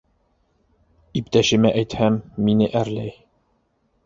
Иптәшемә әйтһәм, мине әрләй.